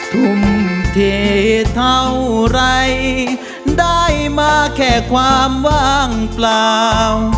ทุ่มเทเท่าไรได้มาแค่ความว่างเปล่า